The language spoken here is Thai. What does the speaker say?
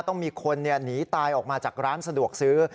ต้องมีคนหนีตายออกมาจากร้านสะดวกซื้อ